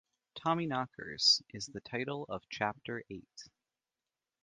"Tommy-knockers" is the title of chapter eight.